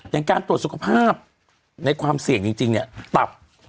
อย่างการตรวจสุขภาพในความเสี่ยงจริงเนี่ยตับ